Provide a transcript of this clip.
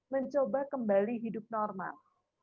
mencoba kembali hidup normal